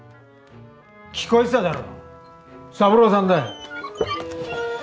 ・聞こえてただろ三郎さんだよ。